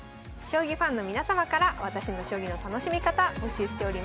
将棋ファンの皆様から「私の将棋の楽しみ方」募集しております。